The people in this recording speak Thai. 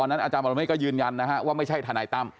อาจารย์ปรเมฆก็ยืนยันนะฮะว่าไม่ใช่ทนายตั้ม